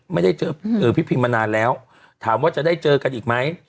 ไม่ได้เจอพี่พิมมานานแล้วถามว่าจะได้เจอกันอีกไหม